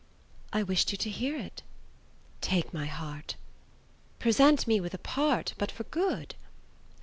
"I wished you to hear it." "Take my heart." "Present me with a part but for good."